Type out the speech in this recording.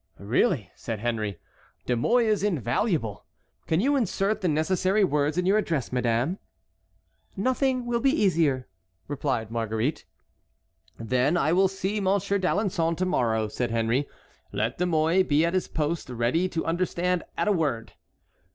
"Really," said Henry, "De Mouy is invaluable. Can you insert the necessary words in your address, madame?" "Nothing will be easier," replied Marguerite. "Then I will see Monsieur d'Alençon to morrow," said Henry. "Let de Mouy be at his post ready to understand at a word."